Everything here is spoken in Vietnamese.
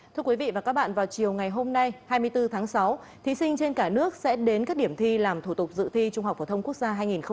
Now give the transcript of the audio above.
thưa quý vị và các bạn vào chiều ngày hôm nay hai mươi bốn tháng sáu thí sinh trên cả nước sẽ đến các điểm thi làm thủ tục dự thi trung học phổ thông quốc gia hai nghìn một mươi chín